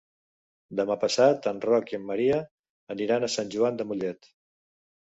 Demà passat en Roc i en Maria aniran a Sant Joan de Mollet.